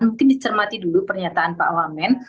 mungkin dicermati dulu pernyataan pak wamen